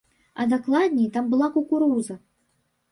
А дакладней, там была кукуруза!